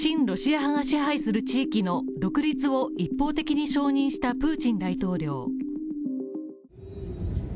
ロシア派が支配する地域の独立を一方的に承認したプーチン大統領。